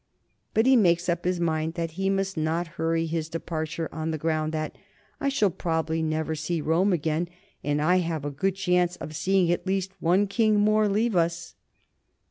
But he makes up his mind that he must not hurry his departure on the ground that "I shall probably never see Rome again, and I have a good chance of seeing at least one king more leave us."